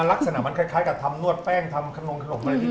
ลักษณะมันไงคล้ายกับทำนวดแป้งทำขนมน้ำ